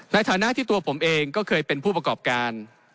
ในฐานะที่ตัวผมเองก็เคยเป็นผู้ประกอบการ